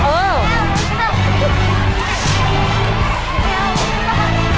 เออ